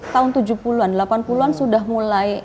tahun tujuh puluh an delapan puluh an sudah mulai